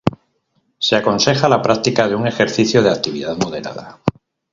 Se aconseja la práctica de un ejercicio de actividad moderada.